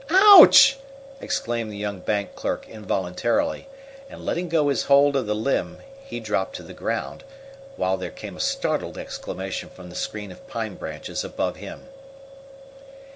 "Ouch!" exclaimed the young bank clerk involuntarily, and, letting go his hold of the limb, he dropped to the ground, while there came a startled exclamation from the screen of pine branches above him.